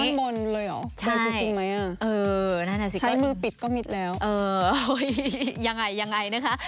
เปลือยข้างบนเลยเหรอเปลือยจริงไหมอ่ะใช่ใช้มือปิดก็มิดแล้วอย่างไรอย่างไรนะคะ